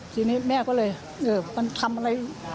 ทีนี้แม่ก็เลยมันทำอะไร